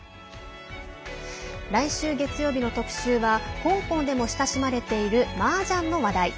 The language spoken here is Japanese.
来週月曜日の特集は香港でも親しまれているマージャンの話題。